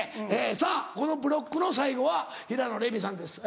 さぁこのブロックの最後は平野レミさんです。